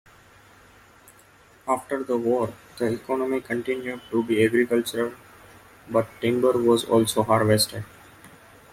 After the war, the economy continued to be agricultural, but timber was also harvested.